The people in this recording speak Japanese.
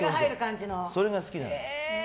それが好きなの。